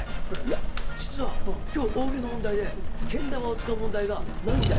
実は今日大喜利の問題でけん玉を使う問題がないんだよ。